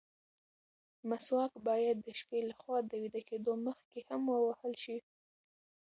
مسواک باید د شپې له خوا د ویده کېدو مخکې هم ووهل شي.